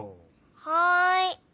はい。